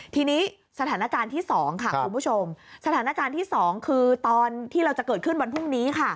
ทีนี้สถานการณ์ที่๒ค่ะคุณผู้ชมสถานการณ์ที่๒คือตอนที่เราจะเกิดขึ้นวันพรุ่งนี้ค่ะ